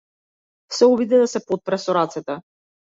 Се обиде да се потпре со рацете.